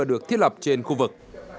nó sẽ được thiết lập trên khu vực